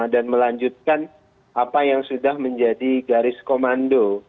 dan melanjutkan apa yang sudah menjadi garis komando